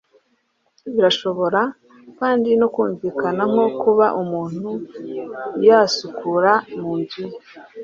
Bishobora kandi no kumvikana nko kuba umuntu yasukura mu nzu ye